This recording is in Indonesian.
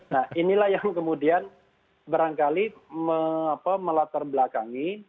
nah inilah yang kemudian barangkali melatar belakangi